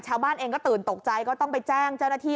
ชาวบ้านเองก็ตื่นตกใจก็ต้องไปแจ้งเจ้าหน้าที่